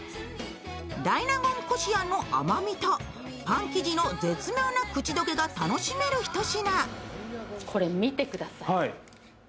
大納言こしあんの甘みとパン生地の絶妙な口溶けが楽しめる一品。